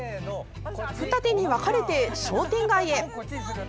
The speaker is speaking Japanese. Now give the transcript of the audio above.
二手に分かれて商店街へ。